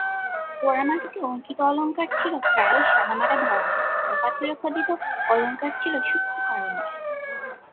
পোড়ামাটিতে অঙ্কিত অলঙ্কার ছিল প্রায়শ সাদামাটা ধরনের, কালো পাথরে খোদিত অলঙ্কার ছিল সূক্ষ্ম কারুময়।